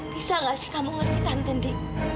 bisa gak sih kamu ngerti tante ndi